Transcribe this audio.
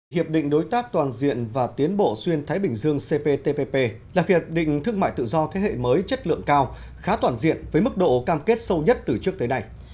hiệp định đối tác toàn diện và tiến bộ xuyên thái bình dương cptpp là hiệp định thương mại tự do thế hệ mới chất lượng cao khá toàn diện với mức độ cam kết sâu nhất từ trước tới nay